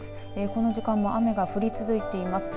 この時間も雨が降り続いています。